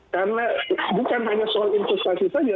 karena bukan hanya soal inkustasi saja